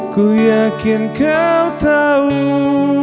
ku yakin kau tahu